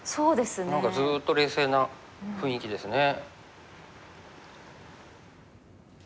何かずっと冷静な雰囲気ですね。